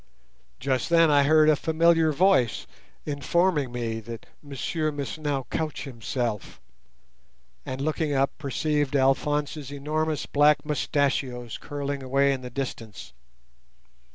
Just then I heard a familiar voice informing me that "Monsieur must now couch himself," and looking up perceived Alphonse's enormous black mustachios curling away in the distance.